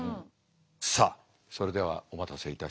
さあそれではお待たせいたしました。